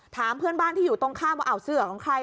ถามเพื่อนบ้านที่อยู่ตรงข้ามว่าเอาเสื้อของใคร